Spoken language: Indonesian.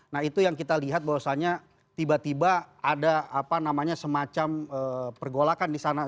nah itu yang kita lihat bahwasannya tiba tiba ada semacam pergolakan di sana